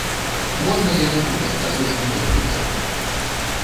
Можна я не буду адказваць на гэта пытанне?